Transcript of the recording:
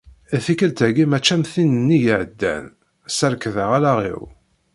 Tikelt-agi mači am tin-nni iɛeddan, serkdeɣ allaɣ-iw.